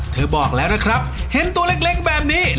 บอกแล้วนะครับเห็นตัวเล็กแบบนี้